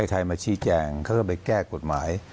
ใครมาชี้แจงเขาก็ไปแก้กฎหมาย